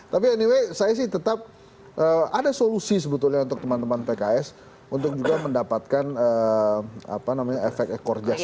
tapi anyway saya sih tetap ada solusi sebetulnya untuk teman teman pks untuk juga mendapatkan efek ekor jas